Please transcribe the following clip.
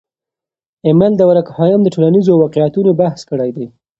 امیل دورکهایم د ټولنیزو واقعیتونو بحث کړی دی.